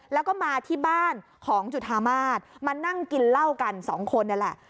แล้วก็มาที่บ้านของจุธามาศมานั่งกินเหล้ากันสองคนนี่แหละ